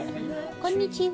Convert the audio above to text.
こんにちは。